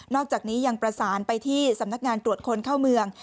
อกจากนี้ยังประสานไปที่สำนักงานตรวจคนเข้าเมือง